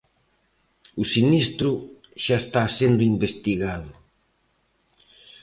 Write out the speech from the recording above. O sinistro xa está sendo investigado.